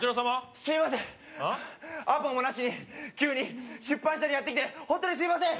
すいません、アポもなしに急に出版社にやってきて本当にすいません！